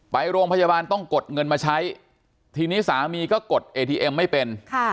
ไปโรงพยาบาลต้องกดเงินมาใช้ทีนี้สามีก็กดเอทีเอ็มไม่เป็น